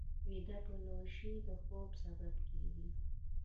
ویده پلوشې د خوب سبب کېږي